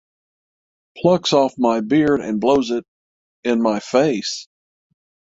Plucks off my beard and blows it in my face?